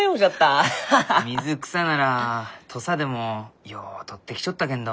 水草なら土佐でもよう採ってきちょったけんど。